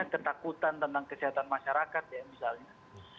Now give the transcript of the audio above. selain tentang ketakutan tentang kesehatan masyarakat ya misalnya